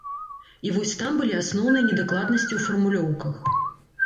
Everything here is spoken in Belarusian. І вось там былі асноўныя недакладнасці ў фармулёўках.